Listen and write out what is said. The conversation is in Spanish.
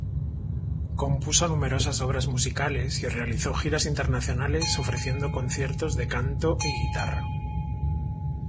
Compuso numerosas obras musicales y realizó giras internacionales ofreciendo conciertos de canto y guitarra.